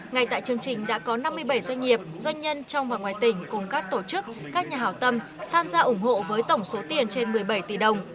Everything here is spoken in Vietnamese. ngay tại chương trình đã có năm mươi bảy doanh nghiệp doanh nhân trong và ngoài tỉnh cùng các tổ chức các nhà hảo tâm tham gia ủng hộ với tổng số tiền trên một mươi bảy tỷ đồng